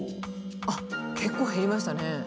あっ結構減りましたね。